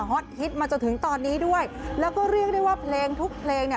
ฮอตฮิตมาจนถึงตอนนี้ด้วยแล้วก็เรียกได้ว่าเพลงทุกเพลงเนี่ย